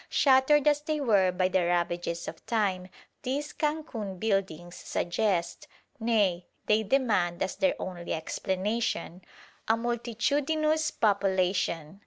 Shattered as they were by the ravages of time, these Cancun buildings suggest nay, they demand as their only explanation a multitudinous population.